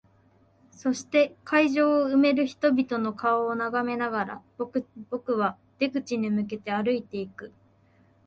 そして、会場を埋める人々の顔を眺めながら、僕は出口に向けて歩いていく。